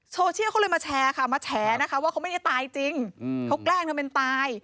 โซเชียลเขาเลยมาแชร์ค่ะมาแฉนะคะว่าเขาไม่ได้ตายจริงเขาแกล้งทำเป็นตาย